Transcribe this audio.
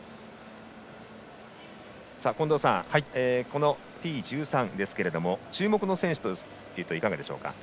近藤さん、このＴ１３ですが注目の選手はいかがでしょうか。